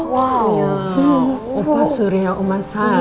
wow opa suria oma sara